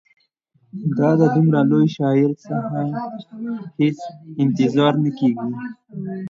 دا د دومره لوی شاعر څخه هېڅ انتظار نه کیږي.